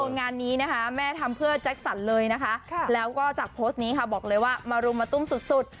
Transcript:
งานนี้นะคะแม่ทำเพื่อแจ็คสันเลยนะคะแล้วก็จากโพสต์นี้ค่ะบอกเลยว่ามารุมมาตุ้มสุดสุด